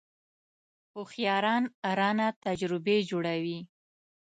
هوښیاران رانه تجربې جوړوي .